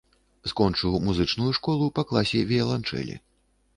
Скончыў музычную школу па класе віяланчэлі.